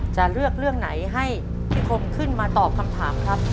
จะเลือกเรื่องไหนให้พี่คมขึ้นมาตอบคำถามครับ